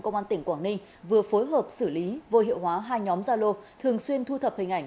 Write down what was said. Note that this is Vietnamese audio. công an tỉnh quảng ninh vừa phối hợp xử lý vô hiệu hóa hai nhóm gia lô thường xuyên thu thập hình ảnh